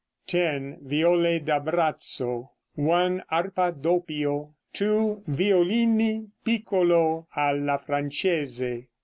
10 Viole da brazzo. 1 Arpa doppio. 2 Violini piccolo alla Francese.